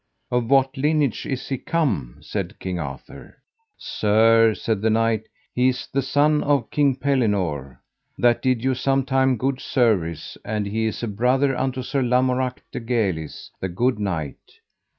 Of what lineage is he come? said King Arthur. Sir, said the knight, he is the son of King Pellinore, that did you some time good service, and he is a brother unto Sir Lamorak de Galis, the good knight.